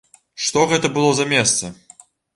Што гэта было за месца!